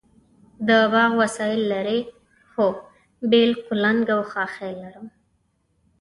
د باغ وسایل لرئ؟ هو، بیل، کلنګ او خاښۍ لرم